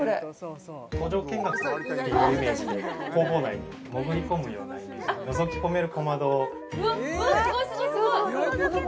工場見学っていうイメージで工房内に潜り込むようなイメージでのぞき込める小窓をわっすごいすごいすごい！